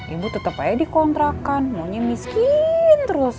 ibu tetap aja dikontrakan maunya miskin terus